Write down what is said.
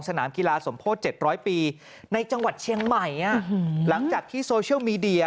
สนามกีฬาสมโพธิ๗๐๐ปีในจังหวัดเชียงใหม่หลังจากที่โซเชียลมีเดีย